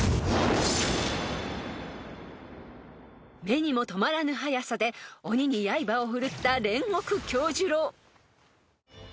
［目にも留まらぬ速さで鬼にやいばをふるった煉獄杏寿郎］